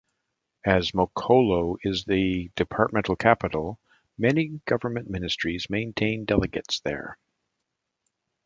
As Mokolo is the departmental capital, many government ministries maintain delegates there.